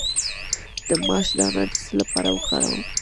د ماش دانه د څه لپاره وکاروم؟